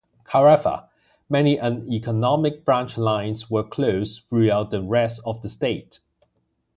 However, many uneconomic branch lines were closed throughout the rest of the state.